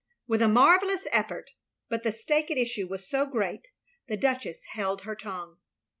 " With a marvellous eflfort — ^but the stake at issue was so great — ^the Duchess held her tongue.